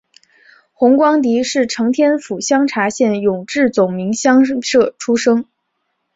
洪光迪是承天府香茶县永治总明乡社出生。